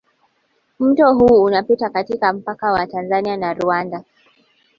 mto huu unapita katika mpaka wa Tanzania na Rwanda